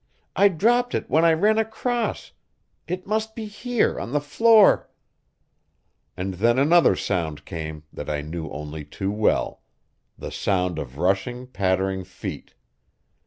I dropped it when I ran across it must be here on the floor " And then another sound came that I knew only too well the sound of rushing, pattering feet.